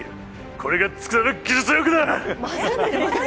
これが佃の技術だ！